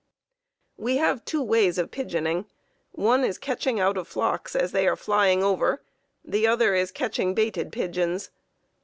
We have two ways of pigeoning. One is catching out of flocks as they are flying over; the other is catching baited pigeons.